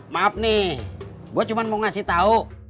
maaf nih gue cuma mau ngasih tahu